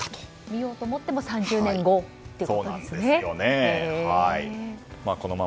見ようと思っても３０年後ということですね。